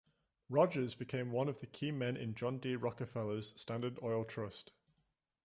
Rogers became one of the key men in John D. Rockefeller's Standard Oil Trust.